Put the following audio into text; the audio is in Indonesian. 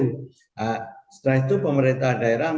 nah setelah itu pemerintah daerah